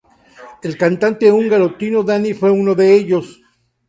El cantante húngaro Tino Dani fue uno de ellos.